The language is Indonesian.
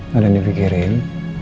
gak ada yang dipikirin